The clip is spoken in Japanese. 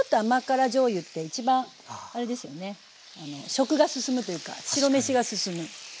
食が進むというか白飯が進む。